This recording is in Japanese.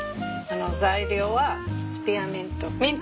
材料はスペアミント。